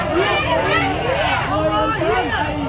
เฮียเฮียเฮีย